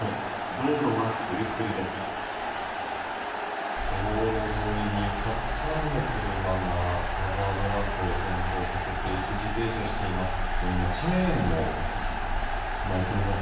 道路沿いにたくさんの車がハザードランプを点灯させて一時停止をしています。